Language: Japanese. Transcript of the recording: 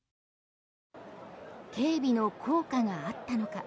警備の効果があったのか。